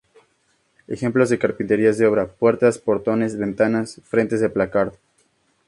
Ejemplos de carpintería de obra: puertas, portones, ventanas, frentes de placard.